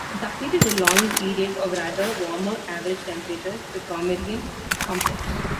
It succeeded a long period of rather warmer average temperatures, the Cromerian Complex.